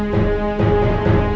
lalu lo kembali ke rumah